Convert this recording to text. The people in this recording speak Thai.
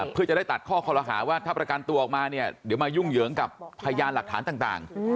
เพื่อจะได้ตัดข้อคอลหาว่าถ้าประกันตัวออกมาเนี่ยเดี๋ยวมายุ่งเหยิงกับพยานหลักฐานต่าง